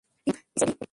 Team sparrow ready?